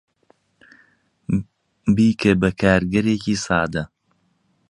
بیکە بە کارگەرێکی سادە.